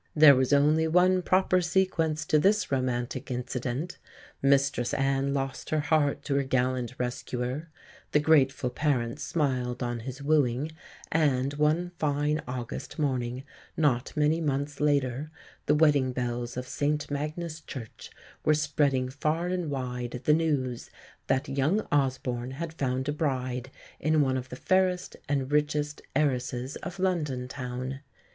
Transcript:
There was only one proper sequence to this romantic incident; Mistress Anne lost her heart to her gallant rescuer, the grateful parents smiled on his wooing, and one fine August morning, not many months later, the wedding bells of St Magnus Church were spreading far and wide the news that young Osborne had found a bride in one of the fairest and richest heiresses of London town.